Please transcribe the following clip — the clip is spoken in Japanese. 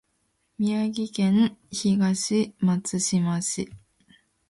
宮城県東松島市